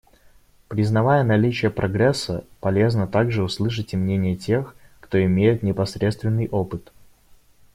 Признавая наличие прогресса, полезно также услышать и мнение тех, кто имеет непосредственный опыт.